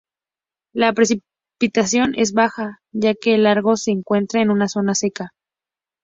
La precipitación es baja ya que el lago se encuentra en una zona seca.